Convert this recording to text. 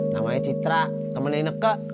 namanya citra temennya ineke